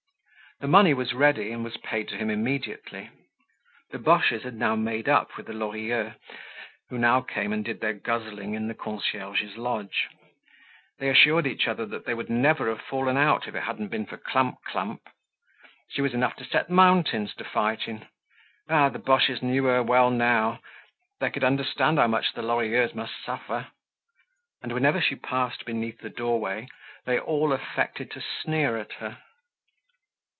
The money was ready and was paid to him immediately. The Boches had now made up with the Lorilleuxs who now came and did their guzzling in the concierge's lodge. They assured each other that they never would have fallen out if it hadn't been for Clump clump. She was enough to set mountains to fighting. Ah! the Boches knew her well now, they could understand how much the Lorilleuxs must suffer. And whenever she passed beneath the doorway they all affected to sneer at her.